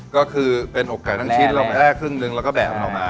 ก็คือเป็นอกไก่ทั้งชิ้นเราไปแลกครึ่งหนึ่งแล้วก็แบกของเรามา